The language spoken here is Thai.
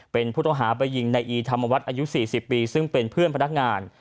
เป็นผู้ต้องหาไปยิงในอีธรรมวัฒน์อายุ๔๐ปีซึ่งเป็นเพื่อนพนักงาน